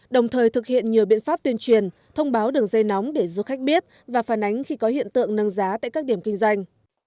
đồng thời thực hiện nhiều biện pháp tuyên truyền thông báo đường dây nóng để du khách biết và phản ánh khi có hiện tượng nâng giá tại các điểm kinh doanh